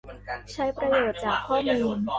ใช้ประโยชน์จากข้อมูล